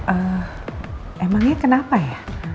eh emangnya kenapa ya